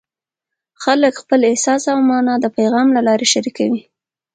خلک خپل احساس او مانا د پیغام له لارې شریکوي.